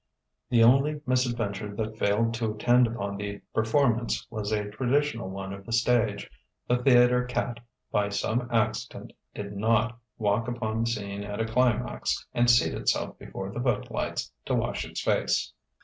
The only misadventure that failed to attend upon the performance was a traditional one of the stage: the theatre cat by some accident did not walk upon the scene at a climax and seat itself before the footlights to wash its face.